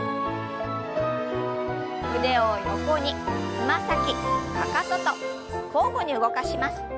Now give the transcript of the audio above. つま先かかとと交互に動かします。